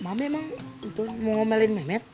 mama emang itu mau ngomelin memet